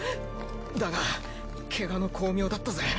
だがケガの功名だったぜ。